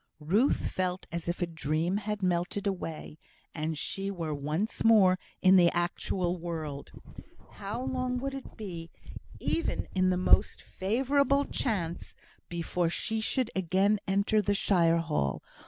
Ruth felt as if a dream had melted away, and she were once more in the actual world. How long it would be, even in the most favourable chance, before she should again enter the shire hall!